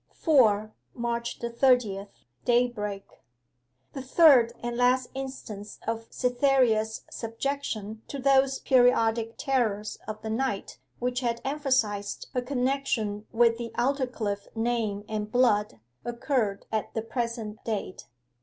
4. MARCH THE THIRTIETH. DAYBREAK The third and last instance of Cytherea's subjection to those periodic terrors of the night which had emphasized her connection with the Aldclyffe name and blood occurred at the present date.